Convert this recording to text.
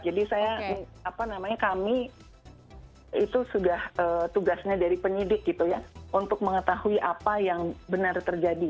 jadi kami itu sudah tugasnya dari penyidik untuk mengetahui apa yang benar terjadi